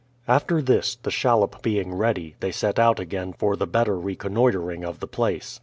After tliis, the shallop being ready, they set out again for the better reconnoitering of the place.